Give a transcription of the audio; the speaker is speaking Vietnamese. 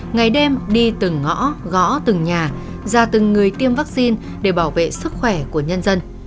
ngày đêm đi từng ngõ gõ từng nhà ra từng người tiêm vaccine để bảo vệ sức khỏe của nhân dân